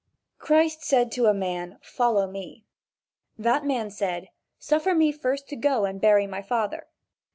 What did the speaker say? Christ said to a man: "Follow me." The man said: "Suffer me first to go and bury my father."